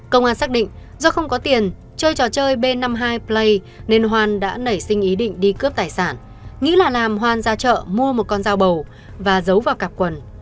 công an xác định do không có tiền chơi trò chơi b năm mươi hai play nên hoan đã nảy sinh ý định đi cướp tài sản nghĩ là làm hoan ra chợ mua một con dao bầu và giấu vào cặp quần